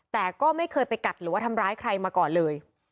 แต่ก็ไม่เคยไปกัดหรือว่าทำร้ายใครมาก่อนเลย